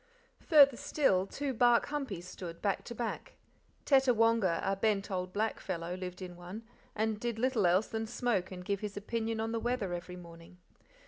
Farther still, two bark humpies stood, back to back. Tettawonga, a bent old black fellow, lived in one, and did little else than smoke and give his opinion on the weather every morning.